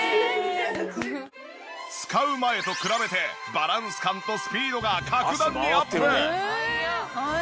使う前と比べてバランス感とスピードが格段にアップ。